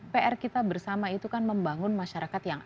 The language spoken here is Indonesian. pr kita bersama itu kan membangun masyarakat yang